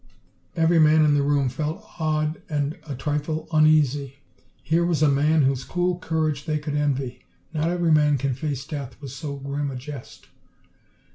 '" Every man in the room felt awed and a trifle uneasy. Here was a man whose cool courage they could envy. Not every man can face death with so grim a jest.